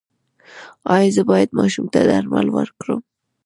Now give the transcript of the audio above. ایا زه باید ماشوم ته درمل ورکړم؟